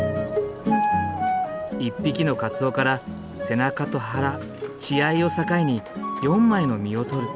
１匹の鰹から背中と腹血合いを境に４枚の身を取る。